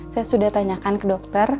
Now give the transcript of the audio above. saya sudah tanyakan ke dokter